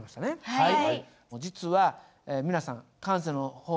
はい。